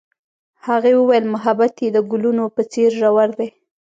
هغې وویل محبت یې د ګلونه په څېر ژور دی.